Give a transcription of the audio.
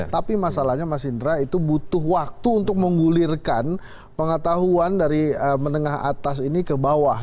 tapi masalahnya mas indra itu butuh waktu untuk menggulirkan pengetahuan dari menengah atas ini ke bawah